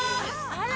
あら！